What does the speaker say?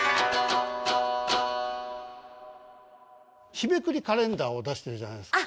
日めくりカレンダーを出してるじゃないですか。